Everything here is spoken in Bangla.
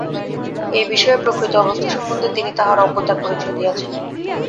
এই বিষয়ে প্রকৃত অবস্থা সম্বন্ধে তিনি তাঁহার অজ্ঞতার পরিচয় দিয়াছেন।